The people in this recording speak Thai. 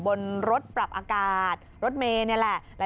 บนรถปรับอากาศรถเมย์นี่แหละ